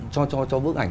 cho bước ảnh